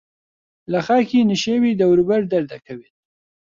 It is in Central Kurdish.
لە خاکی نشێوی دەوروبەر دەردەکەوێت